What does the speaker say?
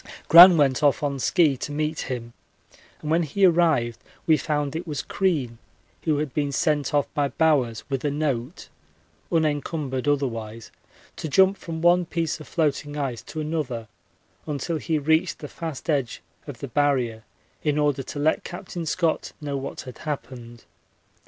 Gran went off on ski to meet him, and when he arrived we found it was Crean, who had been sent off by Bowers with a note, unencumbered otherwise, to jump from one piece of floating ice to another until he reached the fast edge of the Barrier in order to let Capt. Scott know what had happened.